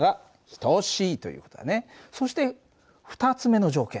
そして２つ目の条件。